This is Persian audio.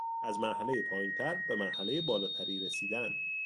از مرحلهی پایینتر به مرحلهی بالاتری رسیدن